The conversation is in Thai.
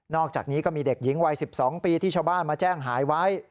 อกจากนี้ก็มีเด็กหญิงวัย๑๒ปีที่ชาวบ้านมาแจ้งหายไว้